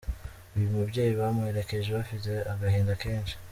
Uyu mubyeyi bamuherekeje bafite agahinda kenshi.